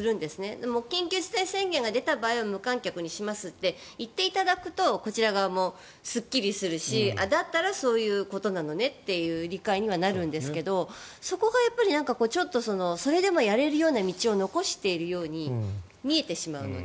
でも緊急事態宣言が出た場合は無観客にしますと言っていただくとこちら側もすっきりするしだったらそういうことなのねという理解にはなるんですがそこがやっぱりそれでもやれるような道を残しているように見えてしまうので。